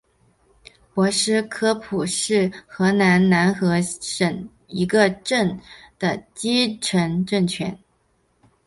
博斯科普是荷兰南荷兰省的一个镇的基层政权。